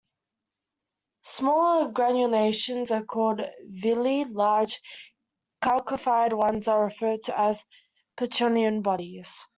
Smaller granulations are called "villi", large calcified ones are referred to as pacchionian bodies.